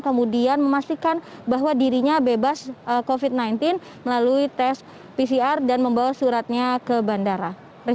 kemudian memastikan bahwa dirinya bebas covid sembilan belas melalui tes pcr dan membawa suratnya ke bandara